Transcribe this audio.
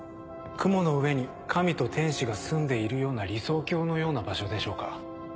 雲の上に神と天使が住んでいるような理想郷のような場所でしょうか？